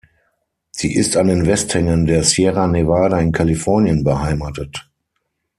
Sie ist an den Westhängen der Sierra Nevada in Kalifornien beheimatet.